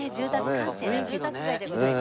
閑静な住宅街でございます。